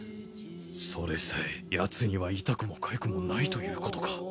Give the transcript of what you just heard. それさえヤツには痛くもかゆくもないということか。